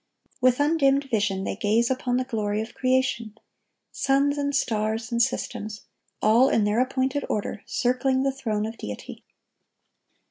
With undimmed vision they gaze upon the glory of creation,—suns and stars and systems, all in their appointed order circling the throne of Deity.